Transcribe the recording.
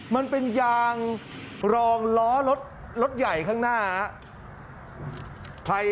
มันเป็นยางรองล้อรถใหญ่ข้างหน้าครับ